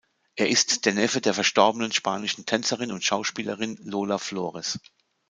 Er ist der Neffe der verstorbenen spanischen Tänzerin und Schauspielerin Lola Flores.